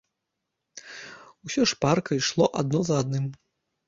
Усё шпарка ішло адно за адным.